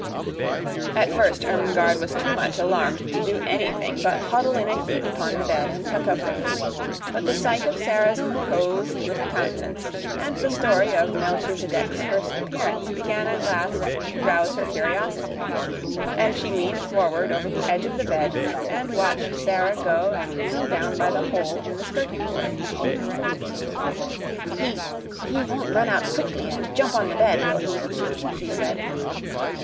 At first Ermengarde was too much alarmed to do anything but huddle in a heap upon the bed and tuck up her feet, but the sight of Sara's composed little countenance and the story of Melchisedec's first appearance began at last to rouse her curiosity, and she leaned forward over the edge of the bed and watched Sara go and kneel down by the hole in the skirting board. "He he won't run out quickly and jump on the bed, will he?" she said.